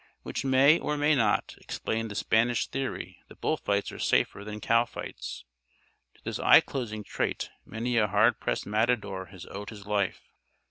Which may or may not explain the Spanish theory that bullfights are safer than cow fights. To this eye closing trait many a hard pressed matador has owed his life.